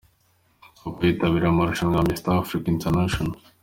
Uko yitabiriye amarushanwa ya Mister Africa International .